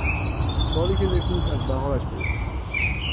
سالی که نکواست ازبهارش پیدااست